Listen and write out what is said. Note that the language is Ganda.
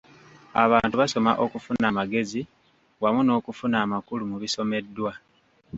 Abantu basoma okufuna amagezi wamu n’okufuna amakulu mu bisomeddwa.